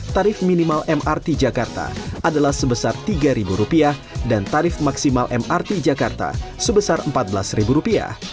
tarif minimal mrt jakarta adalah sebesar rp tiga dan tarif maksimal mrt jakarta sebesar rp empat belas